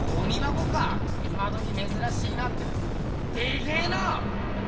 今どきめずらしいなってでけえな！